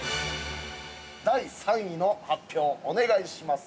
◆第３位の発表、お願いします。